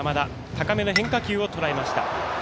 高めの変化球をとらえました。